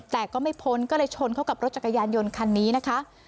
แต่ก็ไม่พ้นก็เลยชนเข้ากับรถจักรยานยนต์คันนี้นะคะ